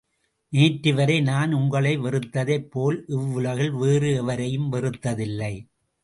நேற்று வரை நான் உங்களை வெறுத்ததைப் போல் இவ்வுலகில் வேறு எவரையும் வெறுத்ததில்லை.